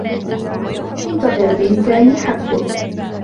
انتظر. بإمكاني حذفه.